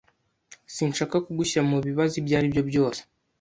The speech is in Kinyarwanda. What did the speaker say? Sinshaka kugushyira mubibazo ibyo aribyo byose. (